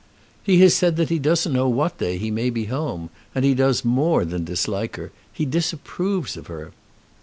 "He has said that he doesn't know what day he may be home. And he does more than dislike her. He disapproves of her."